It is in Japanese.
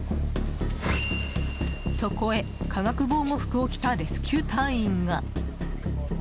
そこへ化学防護服を着たレスキュー隊員が。